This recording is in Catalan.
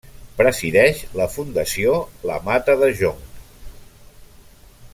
Presideix la Fundació La Mata de Jonc.